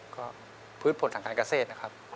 ก็พืชผลทางการเกษตรนะครับ